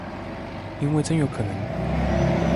因為真有可能